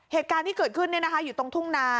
เหตุการณ์ที่เกิดขึ้นเนี้ยนะคะอยู่ตรงทุ่งนา